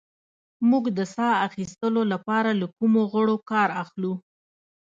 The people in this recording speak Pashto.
موږ د ساه اخیستلو لپاره له کومو غړو کار اخلو